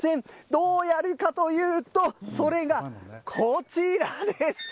どうやるかというと、それがこちらです。